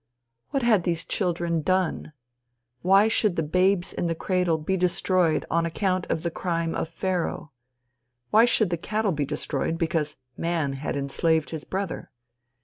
What had these children done? Why should the babes in the cradle be destroyed on account of the crime of Pharaoh? Why should the cattle be destroyed because man had enslaved his brother?